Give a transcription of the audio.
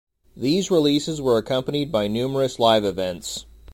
These releases were accompanied by numerous live events.